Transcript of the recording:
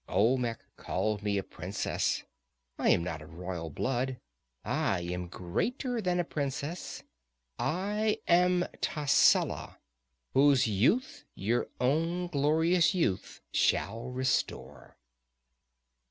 Olmec called me a princess. I am not of royal blood. I am greater than a princess. I am Tascela, whose youth your own glorious youth shall restore."